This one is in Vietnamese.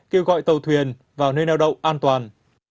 kêu gọi tàu thuyền vào nơi neo đậu an toàn